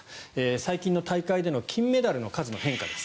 最近の大会での金メダルの数の変化です。